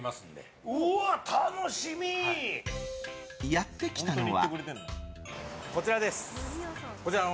やってきたのは。